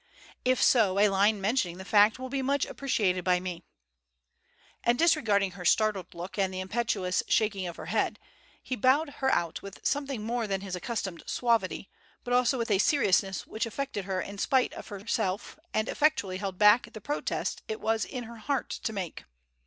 If so, a line mentioning the fact will be much appreciated by me." And disregarding her startled look and the impetuous shaking of her head, he bowed her out with something more than his accustomed suavity but also with a seriousness which affected her in spite of herself and effectually held back the protest it was in her heart to make.